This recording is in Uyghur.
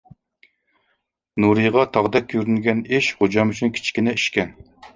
نۇرىغا تاغدەك كۆرۈنگەن ئىش غوجام ئۈچۈن كىچىككىنە ئىشكەن.